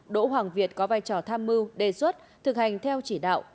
đỗ hoàng việt có vai trò tham mưu đề xuất thực hành theo chỉ đạo